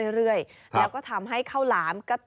แต่ว่าก่อนอื่นเราต้องปรุงรสให้เสร็จเรียบร้อย